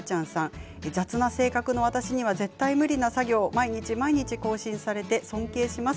雑な性格の私には絶対無理な作業を毎日毎日更新されて、尊敬します。